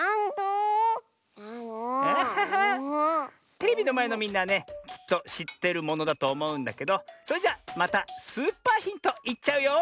テレビのまえのみんなはねきっとしっているものだとおもうんだけどそれじゃまたスーパーヒントいっちゃうよ！